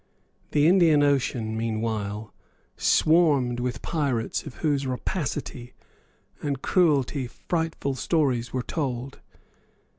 The Indian Ocean, meanwhile, swarmed with pirates of whose rapacity and cruelty frightful stories were told.